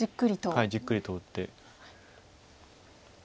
はいじっくりと打って。